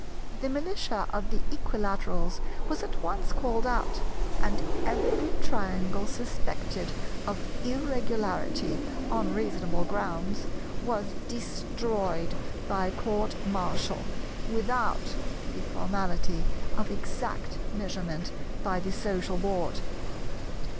The Militia of the Equilaterals was at once called out, and every Triangle suspected of Irregularity on reasonable grounds, was destroyed by Court Martial, without the formality of exact measurement by the Social Board.